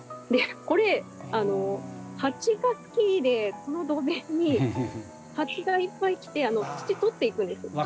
これ蜂が好きでこの土塀に蜂がいっぱい来て土取っていくんですね。